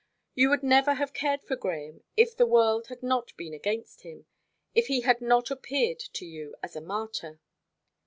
You would never have cared for Grahame if the world had not been against him; if he had not appeared to you as a martyr."